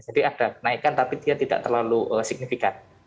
jadi ada kenaikan tapi dia tidak terlalu signifikan